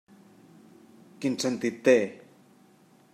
Quin sentit té?